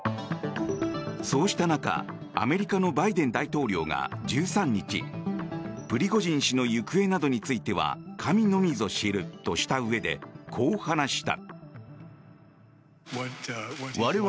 そうしたアメリカのバイデン大統領が１３日プリゴジン氏の行方などについては神のみぞ知るとしたうえでこう話した。